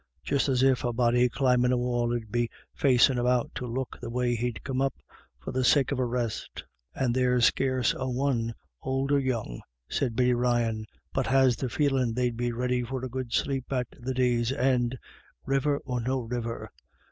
Just as if a body climbin' a hill 'ud be facin' about to look the way he'd come up, for the sake of a rest." " And there's scarce a one, ould or young," said Biddy Ryan, "but has the feelin' they'd be ready for a good sleep at the day's end, river or no river.